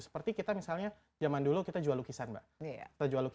seperti kita misalnya zaman dulu kita jual lukisan mbak